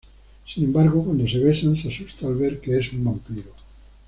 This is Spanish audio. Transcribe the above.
Sin embargo cuando se besan, se asusta al ver que es un vampiro.